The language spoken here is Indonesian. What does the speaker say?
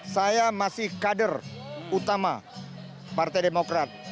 saya masih kader utama partai demokrat